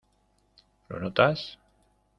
¿ lo notas?